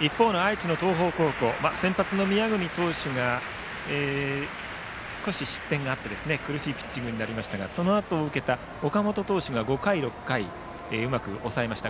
一方、愛知の東邦高校は先発の宮國投手が少し失点があって苦しいピッチングになりましたがそのあとを受けた岡本投手が５回、６回うまく抑えました。